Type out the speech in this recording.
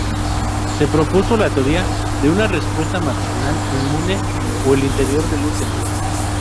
Se propuso la teoría de una respuesta maternal inmune en el interior del útero.